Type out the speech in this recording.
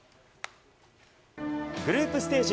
グループステージ